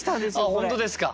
あっ本当ですか。